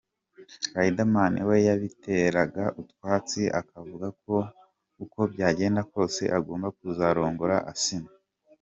Riderman we yabiteraga utwatsi akavuga ko uko byagenda kose ‘agomba kuzarongora Asnah’.